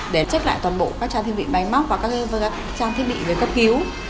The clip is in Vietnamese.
để trách lại toàn bộ các trang thiết bị bánh móc và các trang thiết bị về cấp cứu